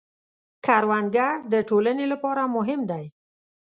کروندګر د ټولنې لپاره مهم دی